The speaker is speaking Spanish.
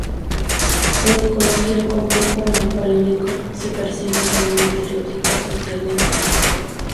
En psicología, el complejo napoleónico se percibe como un estereotipo social negativo.